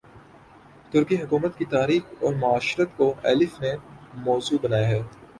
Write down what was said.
ترکی حکومت کی تاریخ اور معاشرت کو ایلف نے موضوع بنایا ہے